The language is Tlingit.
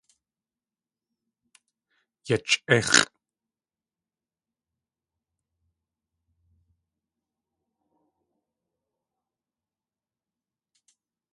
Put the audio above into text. Yachʼíx̲ʼ!